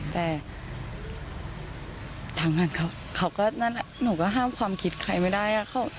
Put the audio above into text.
แต่ทางนั้นเขาก็นั่นแหละหนูก็ห้ามความคิดใครไม่ได้